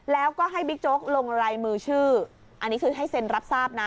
แล้วก็ให้บิ๊กโจ๊กลงรายมือชื่ออันนี้คือให้เซ็นรับทราบนะ